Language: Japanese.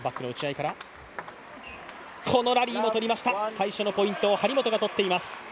最初のポイントを張本が取っています。